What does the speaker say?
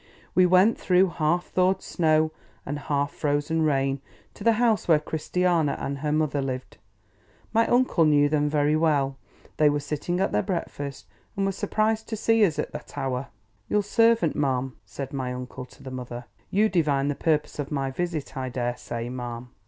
We went, through half thawed snow and half frozen rain, to the house where Christiana and her mother lived. My uncle knew them very well. They were sitting at their breakfast, and were surprised to see us at that hour. "Your servant, ma'am," said my uncle to the mother. "You divine the purpose of my visit, I dare say, ma'am.